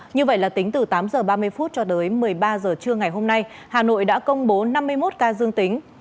như vậy là tính từ tám h ba mươi cho tới một mươi ba h trưa ngày hôm nay hà nội đã công bố năm mươi một ca dương tính